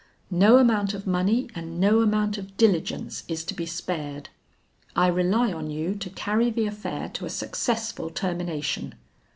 No amount of money and no amount of diligence is to be spared. I rely on you to carry the affair to a successful termination.